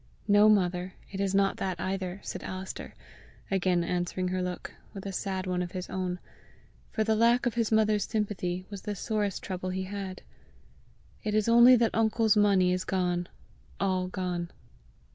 "No, mother, it is not that either!" said Alister, again answering her look with a sad one of his own, for the lack of his mother's sympathy was the sorest trouble he had. "It is only that uncle's money is gone all gone."